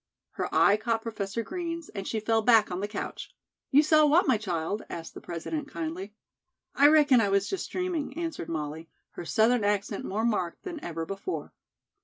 Her eye caught Professor Green's, and she fell back on the couch. "You saw what, my child?" asked the President kindly. "I reckon I was just dreaming," answered Molly, her Southern accent more marked than ever before.